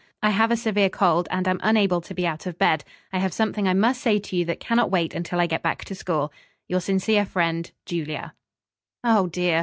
I have a severe cold, and am unable to be out of bed. I have something I must say to you that cannot wait until I get back to school. "Your sincere friend, "JULIA" "Oh, dear!"